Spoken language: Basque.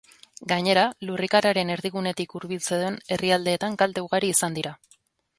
Gainera, lurrikararen erdigunetik hurbil zeuden herrialdeetan kalte ugari izan dira.